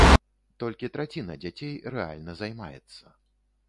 Толькі траціна дзяцей рэальна займаецца.